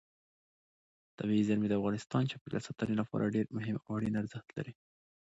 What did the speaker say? طبیعي زیرمې د افغانستان د چاپیریال ساتنې لپاره ډېر مهم او اړین ارزښت لري.